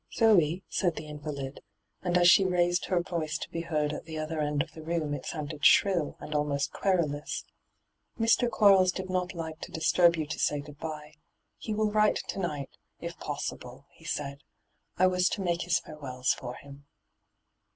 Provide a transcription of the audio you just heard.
'Zoe,' said the invalid — and as she raised her voice to be heard at the other end of the room it sounded shrill and almost querulous — hyGoogIc 268 ENTRAPPED ' Mr. Qaarles did not like to disturb you to say good bye. He will write to night, if possible, he said. I was to make Ms fare wells for him.